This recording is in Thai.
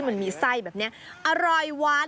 มักกล้า